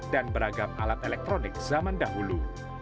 dan beragam alat elektronik zaman dahulu